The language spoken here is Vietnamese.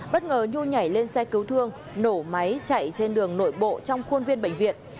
bất ngờ nhu nhảy lên xe cứu thương nổ máy chạy trên đường nội bộ trong khuôn viên bệnh viện